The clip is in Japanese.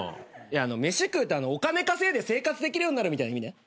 飯食うってお金稼いで生活できるようになるみたいな意味ね。